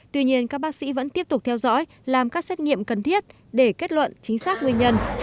tuy nhiên các bác sĩ vẫn tiếp tục theo dõi làm các xét nghiệm cần thiết để kết luận chính xác nguyên nhân